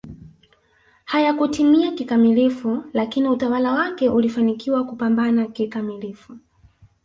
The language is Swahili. hayakutimia kikamilifu lakini utawala wake ulifanikiwa kupambana kikamilifu